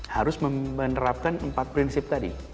harus menerapkan empat prinsip